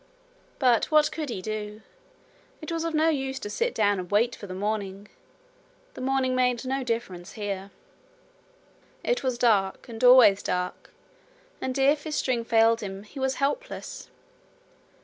But what could he do? It was of no use to sit down and wait for the morning the morning made no difference here. It was dark, and always dark; and if his string failed him he was helpless.